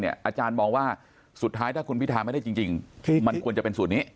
อาจารย์มองว่าสุดท้ายถ้าคุณพิทาไม่ได้จริงมันควรจะเป็นสูตรนี้